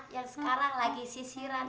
yang sekarang lagi sisiran